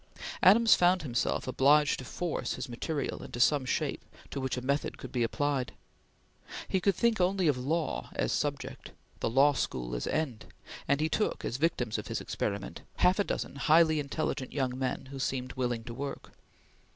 Adams found himself obliged to force his material into some shape to which a method could be applied. He could think only of law as subject; the Law School as end; and he took, as victims of his experiment, half a dozen highly intelligent young men who seemed willing to work.